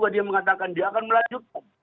dia mengatakan dia akan melanjutkan